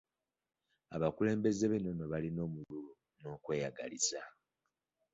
Abakulembeze b'ennono balina omululu n'okweyagaliza.